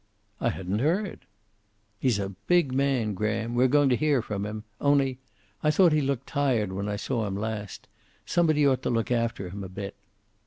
"I hadn't heard." "He's a big man, Graham. We're going to hear from him. Only I thought he looked tired when I saw him last. Somebody ought to look after him a bit."